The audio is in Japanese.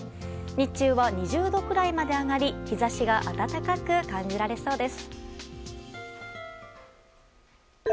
日中は２０度くらいまで上がり日差しが暖かく感じられそうです。